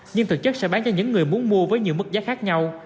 nhưng thực chất sẽ bán cho những người muốn mua với nhiều mức giá khác nhau